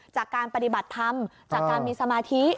จากการปฏิบัติธรรมจากการมีสมาธิ